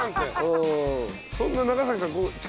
そんな長崎さん。